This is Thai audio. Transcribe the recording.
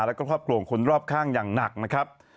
แล้วก็ครอบครัวของคนรอบข้างอย่างหนักนะครับ